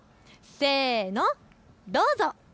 せーの、どうぞ。